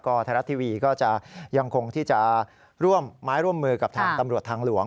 ก็ไทยรัตน์ทีวียังคงที่จะร่วมไม้ร่วมมือกับตำรวจทางหลวง